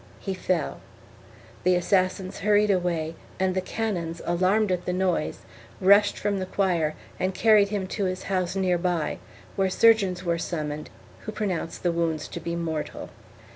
He fell ; the assassins hurried away and the canons, alarmed at the noise, rushed from the choir and carried him to his house near by, where surgeons were summoned who pronounced the wounds to be mortal.